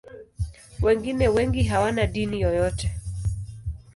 Wengine wengi hawana dini yoyote.